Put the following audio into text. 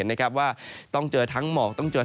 ต่ำสุดอยู่ที่ประมาณ๓๔๓๔องศาเซลเซียส